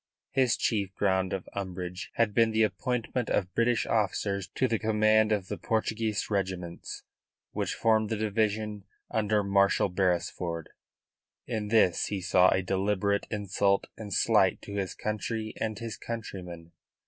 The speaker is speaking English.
His chief ground of umbrage had been the appointment of British officers to the command of the Portuguese regiments which formed the division under Marshal Beresford. In this he saw a deliberate insult and slight to his country and his countrymen.